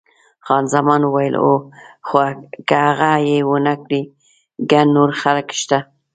خان زمان وویل، هو، خو که هغه یې ونه کړي ګڼ نور خلک شته.